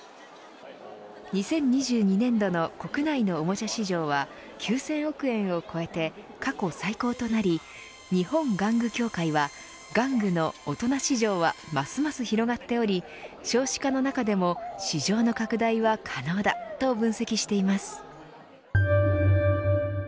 ２０２２年度の国内のおもちゃ市場は９０００億円を超えて過去最高となり日本玩具協会は玩具の大人市場はますます広がっており少子化の中でも市場の拡大は可能だと分析しています。